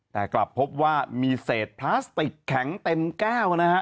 แต่กลับพบว่ามีเศษพลาสติกแข็งเต็มแก้วนะฮะ